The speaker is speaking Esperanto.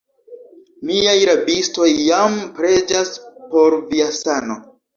Miaj rabistoj jam preĝas por via sano.